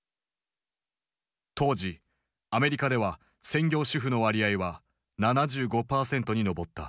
当時アメリカでは専業主婦の割合は７５％に上った。